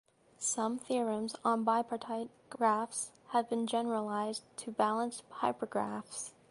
Some theorems on bipartite graphs have been generalized to balanced hypergraphs.